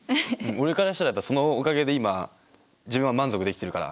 俺からしたらそのおかげで今自分は満足できてるから。